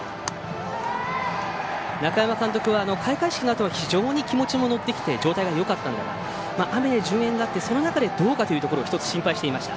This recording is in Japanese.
中山監督は開会式のあと非常に気持ちも乗ってきて状態もよかったんだが雨で順延になって、その中でどうかというところを１つ心配していました。